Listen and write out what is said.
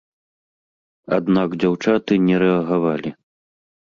Аднак дзяўчаты не рэагавалі.